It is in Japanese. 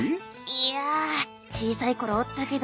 いや小さい頃折ったけど。